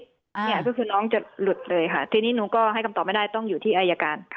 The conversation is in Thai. ก็คือน้องจะหลุดเลยค่ะทีนี้หนูก็ให้คำตอบไม่ได้ต้องอยู่ที่อายการ